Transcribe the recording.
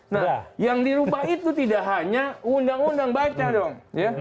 nah yang dirubah itu tidak hanya undang undang baca dong